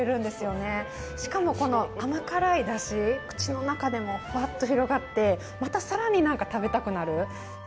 しかもこの甘辛い出汁口の中でもフワッと広がってまたさらになんか食べたくなる。